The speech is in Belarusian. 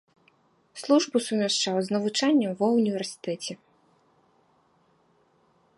Службу сумяшчаў з навучаннем ва ўніверсітэце.